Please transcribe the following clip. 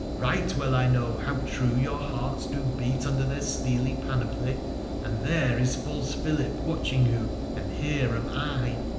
Eight well I know how true your hearts do beat under their steely panoply ; and there is false Philip watching you, and here am I